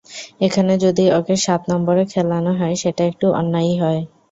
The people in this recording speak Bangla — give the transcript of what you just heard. এখানে যদি ওঁকে সাত নম্বরে খেলানো হয়, সেটা একটু অন্যায়ই হয়।